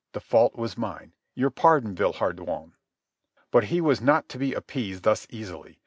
The fault was mine. Your pardon, Villehardouin." But he was not to be appeased thus easily.